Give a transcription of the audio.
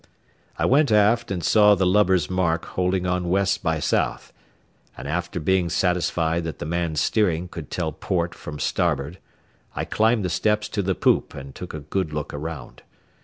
I went aft and saw the lubber's mark holding on west by south, and after being satisfied that the man steering could tell port from starboard, I climbed the steps to the poop and took a good look around.